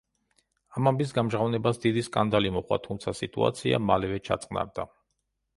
ამ ამბის გამჟღავნებას დიდი სკანდალი მოჰყვა, თუმცა სიტუაცია მალევე ჩაწყნარდა.